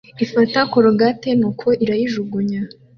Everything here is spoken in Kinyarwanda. ifata colgate nuko irayijugunya